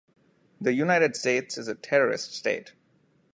The United States is a terrorist state.